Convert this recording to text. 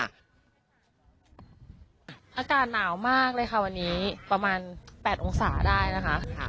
อากาศหนาวมากเลยค่ะวันนี้ประมาณ๘องศาได้นะคะ